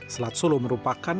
slat solo merupakan